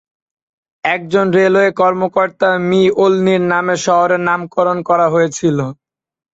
একজন রেলওয়ে কর্মকর্তা মি. ওলনির নামে শহরের নামকরণ করা হয়েছিল।